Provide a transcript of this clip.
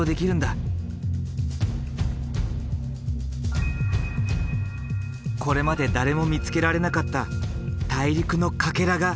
これまで誰も見つけられなかった大陸のカケラが今見つかった。